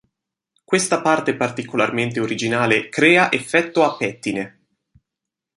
Questa parte particolarmente originale crea effetto a "pettine".